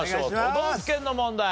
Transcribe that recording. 都道府県の問題。